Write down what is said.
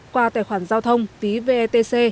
qua tài khoản giao thông phí vetc